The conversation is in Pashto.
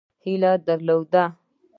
هیله درلوده.